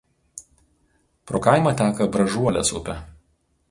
Pro kaimą teka Bražuolės upė.